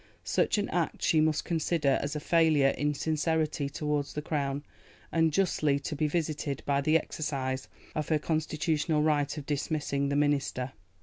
Such an act she must consider as a failure in sincerity towards the Crown, and justly to be visited by the exercise of her Constitutional right of dismissing that Minister.